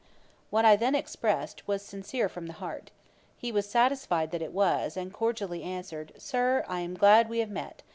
What I then expressed, was sincerely from the heart. He was satisfied that it was, and cordially answered, 'Sir, I am glad we have met.